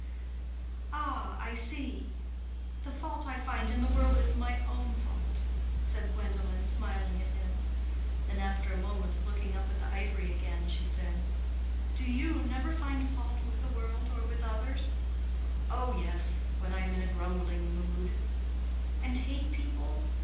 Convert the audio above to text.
"Ah, I see! The fault I find in the world is my own fault," said Gwendolen, smiling at him. Then after a moment, looking up at the ivory again, she said, "Do you never find fault with the world or with others?" "Oh, yes. When I am in a grumbling mood." "And hate people?